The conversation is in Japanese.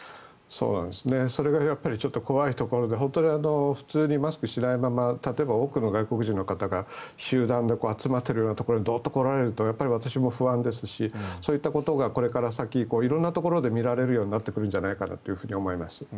それがやっぱり怖いところで本当に普通にマスクをしないまま例えば多くの外国人の方が集団で集まっているようなところにドッと来られるとやっぱり私も不安ですしそういったことがこれから先色んなところで見られるようになってくるんじゃないかと思います。